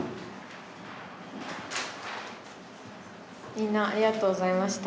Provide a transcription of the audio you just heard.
みんなありがとうございました。